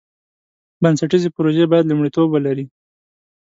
بنسټیزې پروژې باید لومړیتوب ولري.